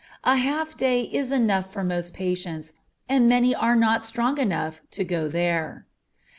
A half day is enough for most patients, and many are not strong enough to go there.